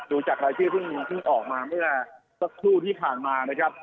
ติวจากหลายช่วงปีพึ่งออกมาเพื่อสักครู่ที่ผ่านมานะครับ